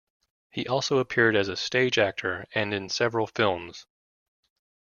He also appeared as a stage actor and in several films.